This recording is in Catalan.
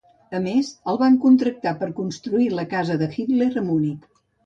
A més, el van contractar per construir la casa de Hitler a Munic.